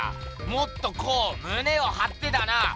もっとこうむねをはってだな。